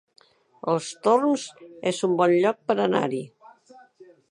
Els Torms es un bon lloc per anar-hi